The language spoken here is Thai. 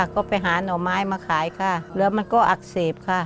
ก็ไปหาหน่อไม้มาขายค่ะแล้วมันก็อักเสบค่ะ